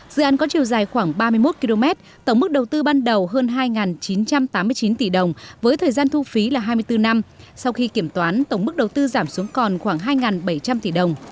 dự án có chiều dài khoảng ba mươi một km tổng mức đầu tư ban đầu hơn hai chín trăm tám mươi chín tỷ đồng với thời gian thu phí là hai mươi bốn năm sau khi kiểm toán tổng mức đầu tư giảm xuống còn khoảng hai bảy trăm linh tỷ đồng